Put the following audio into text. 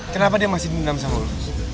kenapa dia masih dendam sama lo